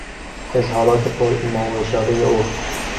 اظهارات پر ایما و اشارهی او